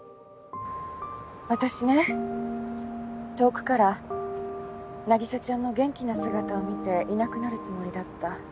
私ね遠くから凪沙ちゃんの元気な姿を見ていなくなるつもりだった。